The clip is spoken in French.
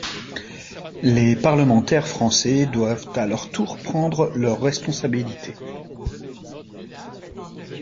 Les parlementaires français doivent à leur tour prendre leurs responsabilités.